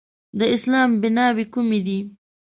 د اسلام بیناوې کومې دي؟